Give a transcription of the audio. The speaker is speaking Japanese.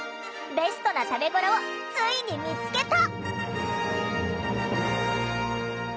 ベストな食べごろをついに見つけた！